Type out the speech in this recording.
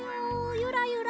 ゆらゆら。